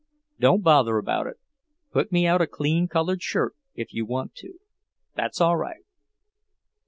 "Don't bother about it. Put me out a clean coloured shirt, if you want to. That's all right."